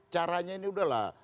caranya ini udahlah